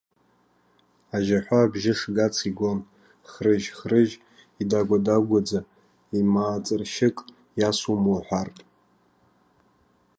Ажьаҳәа абжьы шгац игон, хрыжь-хрыжь, идагәа-дагәаӡа, еимааҵыршьык иасуама уҳәартә.